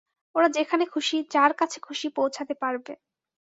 ওরা যেখানে খুশি, যার কাছে খুশি পৌঁছাতে পারবে।